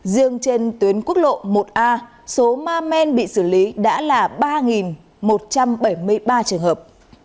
riêng trên tuyến quốc lộ một a số ma men bị xử lý đã là ba một trăm bảy mươi ba trường hợp